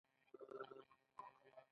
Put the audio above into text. کلمه که نادره شي مصنوعي ښکاري.